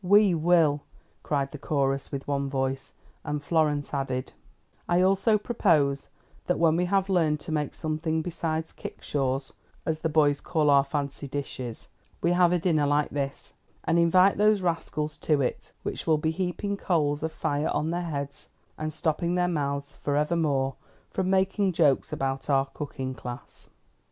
"We will!" cried the chorus with one voice, and Florence added: "I also propose that when we have learned to make something beside 'kickshaws,' as the boys call our fancy dishes, we have a dinner like this, and invite those rascals to it; which will be heaping coals of fire on their heads, and stopping their mouths forevermore from making jokes about our cooking class."